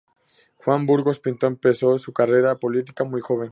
Juan Burgos Pinto empezó su carrera política muy joven.